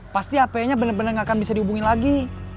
pasti hp nya bener bener gak akan bisa dihubungi lagi